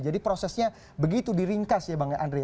jadi prosesnya begitu diringkas ya bang andre